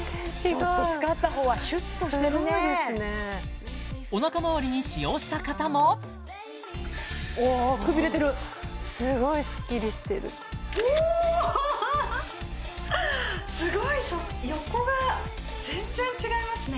ちょっと使ったほうはシュッとしてるねおなかまわりに使用した方もくびれてるすごいスッキリしてるすごい横が全然違いますね